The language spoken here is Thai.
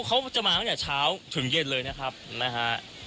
เขาจะมาตั้งแต่เช้าถึงเย็นเลยนะครับนะฮะ